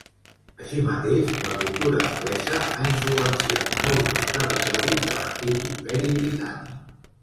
Així mateix la cultura anglesa ha influenciat molts dels territoris de l'antic imperi britànic.